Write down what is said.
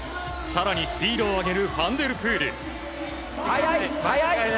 更にスピードを上げるファン・デル・プール。